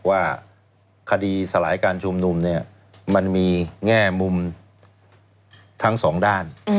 ว่าคดีสลายการชุมนุมเนี่ยมันมีแง่มุมทั้งสองด้าน